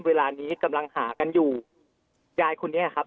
เวลานี้กำลังหากันอยู่ยายคนนี้ครับ